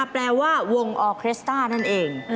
แปลว่าวงออเครสต้านั่นเอง